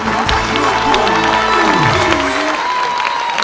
ร้องได้ให้ล้าน